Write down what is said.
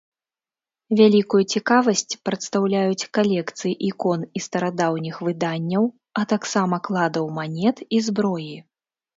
Вялікую цікавасць прадстаўляюць калекцыі ікон і старадаўніх выданняў, а таксама кладаў манет і зброі.